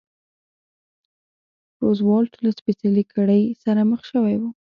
روزولټ له سپېڅلې کړۍ سره مخ شوی و.